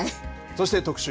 そして、特集。